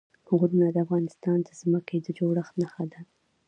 غرونه د افغانستان د ځمکې د جوړښت نښه ده.